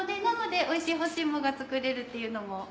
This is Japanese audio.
なのでおいしい干し芋が作れるっていうのも。